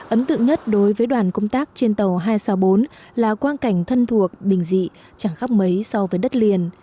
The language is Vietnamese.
ấn tượng nhất đối với đoàn công tác trên tàu hai trăm sáu mươi bốn là quan cảnh thân thuộc bình dị chẳng khắp mấy so với đất liền